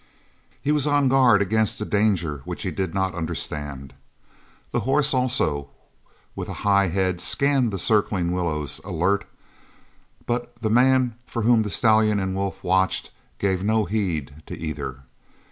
He was on guard against a danger which he did not understand. The horse, also, with a high head scanned the circling willows, alert; but the man for whom the stallion and the wolf watched gave no heed to either.